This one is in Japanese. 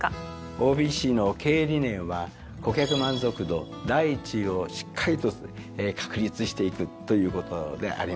ＯＢＣの経営理念は顧客満足度第１位をしっかりと確立していくということであります。